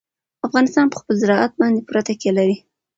افغانستان په خپل زراعت باندې پوره تکیه لري.